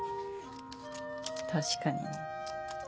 確かにね。